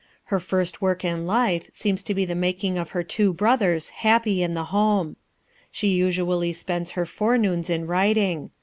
Her first work in life seems to be the making of her two brothers happy in the home. She usually spends her forenoons in writing.